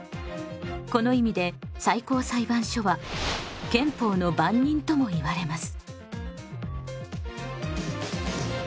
この意味で最高裁判所は「憲法の番人」ともいわれます。